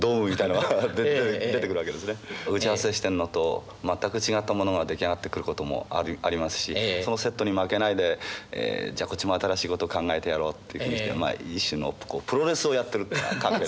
打ち合わせしてるのと全く違ったものが出来上がってくることもありますしそのセットに負けないでじゃこっちも新しいこと考えてやろうっていう気持ちで一種のプロレスをやってるって感覚。